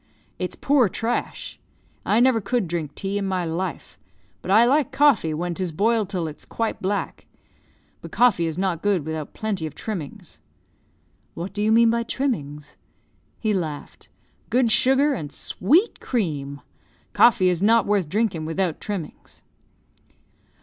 it's poor trash. I never could drink tea in my life. But I like coffee, when 'tis boiled till it's quite black. But coffee is not good without plenty of trimmings." "What do you mean by trimmings?" He laughed. "Good sugar, and sweet cream. Coffee is not worth drinking without trimmings."